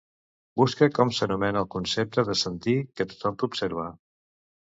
Busca com s'anomena el concepte de sentir que tothom t'observa.